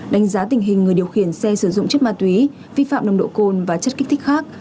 đánh giá tình hình người điều khiển xe sử dụng chất ma túy vi phạm nồng độ cồn và chất kích thích khác